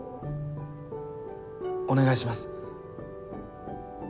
お願いします。